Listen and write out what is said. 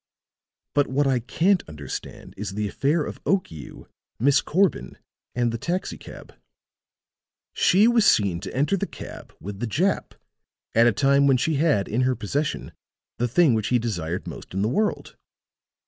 But what I can't understand is the affair of Okiu, Miss Corbin and the taxi cab. She was seen to enter the cab with the Jap at a time when she had in her possession the thing which he desired most in the world.